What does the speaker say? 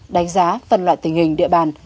đánh giá phần loại tình hình địa bàn